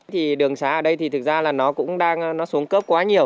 thì đường xá ở đây thì thực ra là nó cũng đang nó xuống cấp